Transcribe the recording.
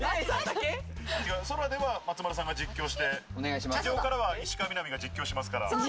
空では松丸さんが実況して、地上からは石川みなみが実況しますから。